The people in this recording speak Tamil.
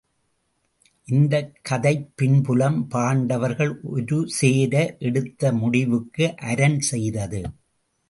இந்தக் கதைப்பின்புலம் பாண்டவர்கள் ஒரு சேர எடுத்த முடிவுக்கு அரண் செய்தது.